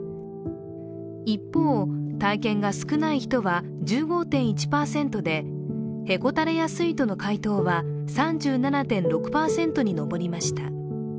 一方、体験が少ない人は１５．１％でへこたれやすいとの回答は３７．６％に上りました。